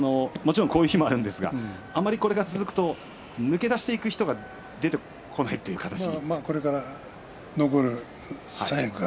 もちろんこういう日もあるんですが、あまりこれが続くと抜け出す人が出てこないという形に。